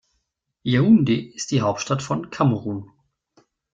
Yaoundé ist die Hauptstadt von Kamerun.